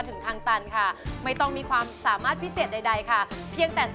อยู่ด้วยกันมาตั้งหลายสิบปีนะพี่นะ